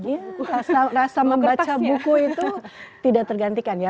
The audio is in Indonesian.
rasa membaca buku itu tidak tergantikan ya